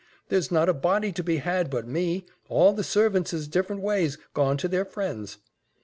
There's not a body to be had but me all the servants is different ways, gone to their friends."